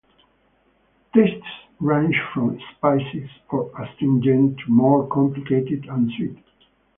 Tastes range from spicy or astringent to more complicated and sweet.